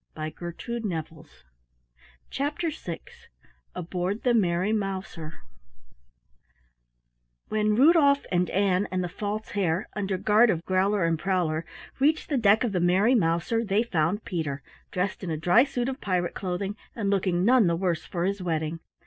CHAPTER VI ABOARD THE MERRY MOUSER When Rudolf and Ann and the False Hare, under guard of Growler and Prowler, reached the deck of the Merry Mouser, they found Peter, dressed in a dry suit of pirate clothing and looking none the worse for his wetting.